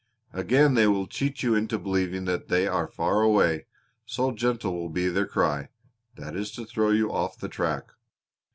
Again they will cheat you into believing that they are far away, so gentle will be their cry; that is to throw you off the track.